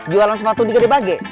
jualan sepatu di gede bage